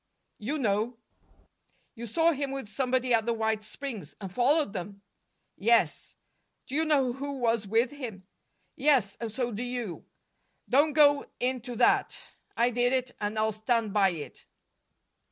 "You know." "You saw him with somebody at the White Springs, and followed them?" "Yes." "Do you know who was with him?" "Yes, and so do you. Don't go into that. I did it, and I'll stand by it."